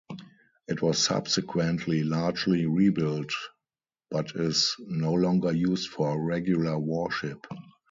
It was subsequently largely rebuilt but is no longer used for regular worship.